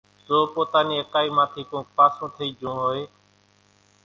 زو پوتا نين اڪائي مان ٿي ڪونڪ پاسون ٿئي جھون ھوئي